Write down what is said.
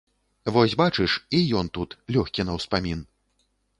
Вось бачыш, і ён тут, лёгкі на ўспамін.